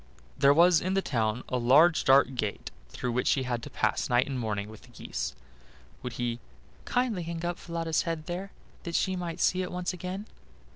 There was in the town a large dark gate, through which she had to pass night and morning with the geese; would he "kindly hang up Falada's head there, that she might see it once again?"